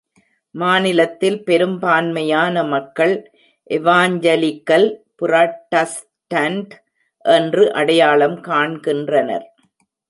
மாநிலத்தில் பெரும்பான்மையான மக்களை எவாஞ்சலிக்கல் புராட்டஸ்டன்ட் என்று அடையாளம் காண்கின்றனர்.